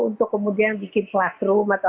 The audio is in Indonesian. untuk kemudian bikin flashroom atau